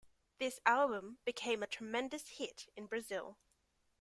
This album became a tremendous hit in Brazil.